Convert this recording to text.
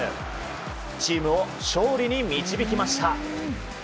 チームを勝利に導きました。